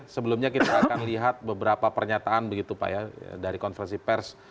sebelumnya kita akan lihat beberapa pernyataan dari konversi pers